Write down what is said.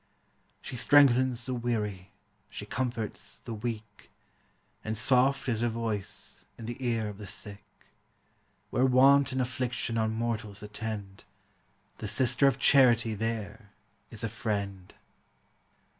She strengthens the weary, she comforts the weak, And soft is her voice in the ear of the sick; Where want and affliction on mortals attend, The Sister of Charity there is a friend.